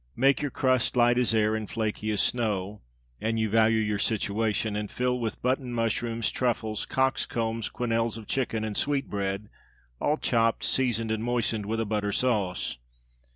Make your crust light as air, and flaky as snow, an you value your situation and fill with button mushrooms, truffles, cock's combs, quenelles of chicken, and sweetbread, all chopped, seasoned, and moistened with a butter sauce.